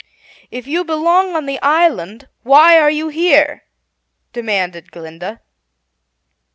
"If you belong on the island, why are you here?" demanded Glinda.